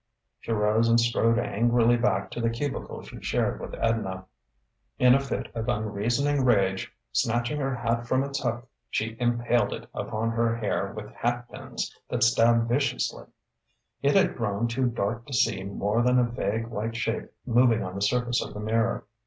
She rose and strode angrily back to the cubicle she shared with Edna. In a fit of unreasoning rage, snatching her hat from its hook, she impaled it upon her hair with hatpins that stabbed viciously. It had grown too dark to see more than a vague white shape moving on the surface of the mirror.